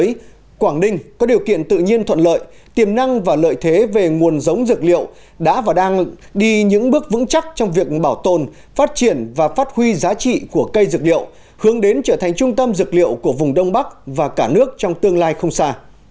trong đó quảng ninh có điều kiện tự nhiên thuận lợi tiềm năng và lợi thế về nguồn giống dược liệu đã và đang đi những bước vững chắc trong việc bảo tồn phát triển và phát huy giá trị của cây dược liệu hướng đến trở thành trung tâm dược liệu của vùng đông bắc và cả nước trong tương lai không xa